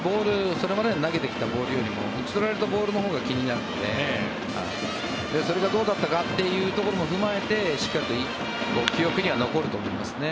それまで投げてきたボールよりも打ち取られたボールのほうが気になるのでそれがどうだったかということも踏まえてしっかり記憶には残ると思いますね。